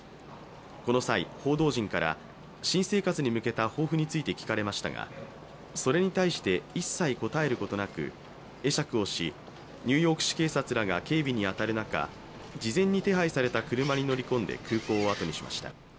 この際、報道陣から、新生活に向けた抱負について聞かれましたがそれに対して一切答えることなく会釈をし、ニューヨーク市警察らが警備に当たる中、事前に手配された車に乗り込んで空港を後にしました。